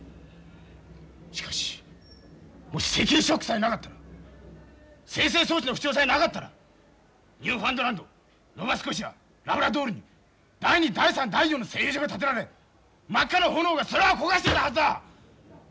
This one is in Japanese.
しかしもし石油ショックさえなかったら精製装置の不調さえなかったらニューファンドランドノバスコシアラブラドールに第２第３第４の製油所が建てられ真っ赤な炎が空を焦がしていたはずだ！